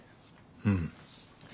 うん。